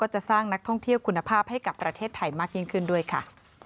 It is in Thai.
จะสร้างนักท่องเที่ยวคุณภาพให้กับประเทศไทยมากยิ่งขึ้นด้วยค่ะ